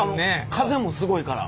風もすごいから。